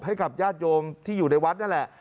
ให้กับญาติโยมที่อยู่ในวัดนั่นแหละ